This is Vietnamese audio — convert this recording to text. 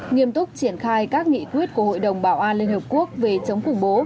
nghiêm túc triển khai các nghị quyết của hội đồng bảo an liên hợp quốc về chống khủng bố